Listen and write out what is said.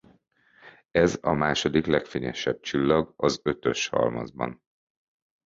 Ez a második legfényesebb csillag az Ötös halmazban.